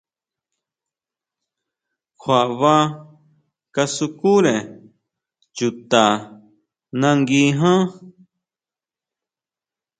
Kjua baa kasukure chuta nangui ján.